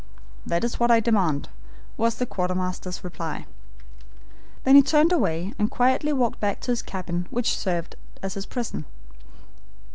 "That is what I demand," was the quartermaster's reply. Then he turned away and quietly walked back to his cabin, which served as his prison.